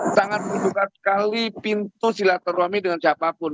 sangat membuka sekali pintu silaturahmi dengan siapapun